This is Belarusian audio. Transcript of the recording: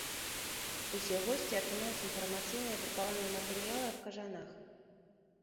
Усе госці атрымаюць інфармацыйныя друкаваныя матэрыялы аб кажанах.